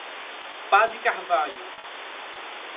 Padre Carvalho